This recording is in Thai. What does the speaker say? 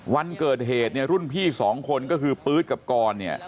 วันเกิดเหตุเนี่ยรุ่นพี่สองคนก็คือปื๊ดกับกรเนี่ย